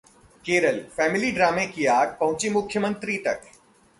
Kerala: family ड्रामे की आग पहुंची मुख्यमंत्री तक